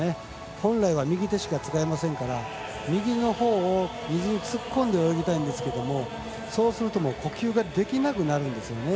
本来は右手しか使えませんから右のほうを突っ込んで泳ぎたいんですけれどもそうすると呼吸ができなくなるんですよね。